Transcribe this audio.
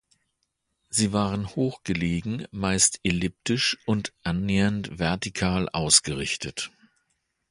Sie waren hoch gelegen, meist elliptisch und annähernd vertikal ausgerichtet.